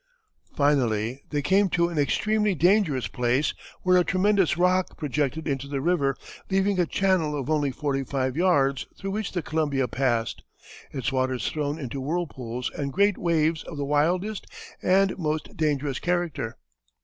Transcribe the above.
Finally they came to an extremely dangerous place where a tremendous rock projected into the river, leaving a channel of only forty five yards, through which the Columbia passed, its waters thrown into whirlpools and great waves of the wildest and most dangerous character.